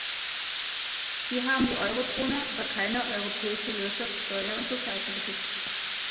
Wir haben die Eurozone, aber keine europäische Wirtschafts-, Steuer- und Sozialpolitik.